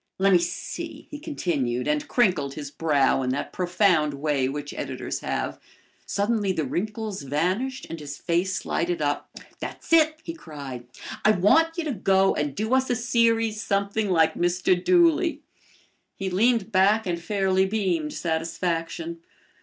"Let me see," he continued, and crinkled his brow in that profound way which editors have. Suddenly the wrinkles vanished and his face lighted up. "That's it," he cried. "I want you to go and do us a series something like Mr. Dooley." He leaned back and fairly beamed satisfaction.